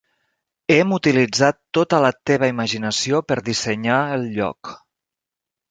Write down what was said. Hem utilitzat tota la teva imaginació per dissenyar el lloc.